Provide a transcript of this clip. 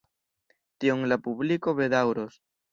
Tion la publiko bedaŭros.